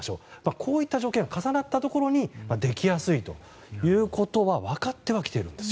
こういった条件が重なったところにできやすいということは分かってはきているんです。